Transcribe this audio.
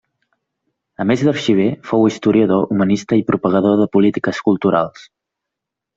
A més d'arxiver, fou historiador, humanista i propagador de polítiques culturals.